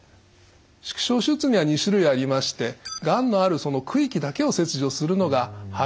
縮小手術には２種類ありましてがんのあるその区域だけを切除するのが肺の区域切除。